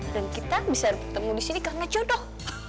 dan kita bisa bertemu di sini karena jodoh